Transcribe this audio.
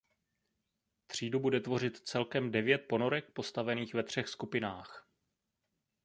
Třídu bude tvořit celkem devět ponorek postavených ve třech skupinách.